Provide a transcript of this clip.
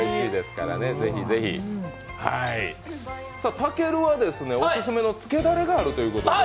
たけるはオススメのつけだれがあるということで？